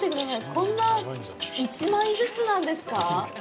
こんな１枚ずつなんですか。